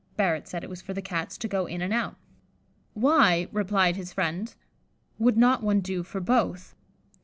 Barrett said it was for the Cats to go in and out. "Why," replied his friend, "would not one do for both?"